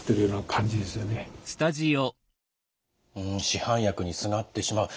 市販薬にすがってしまう。